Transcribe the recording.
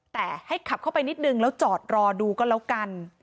แต่ให้ขับเข้าไปนิดนึงแล้วจอดรอดูก็แล้วกัน